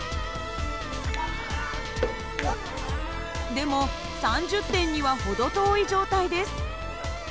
でも３０点には程遠い状態です。